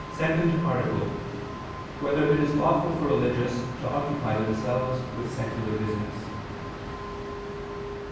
187, Art. 2] Whether It Is Lawful for Religious to Occupy Themselves with Secular Business?